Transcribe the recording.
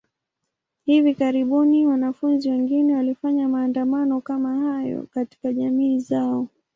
Hivi karibuni, wanafunzi wengine walifanya maandamano kama hayo katika jamii zao.